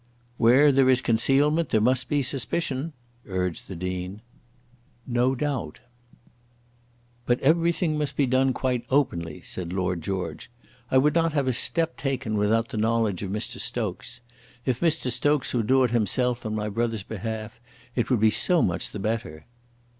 "Where there is concealment there must be suspicion," urged the Dean. "No doubt." "But everything must be done quite openly," said Lord George. "I would not have a step taken without the knowledge of Mr. Stokes. If Mr. Stokes would do it himself on my brother's behalf it would be so much the better."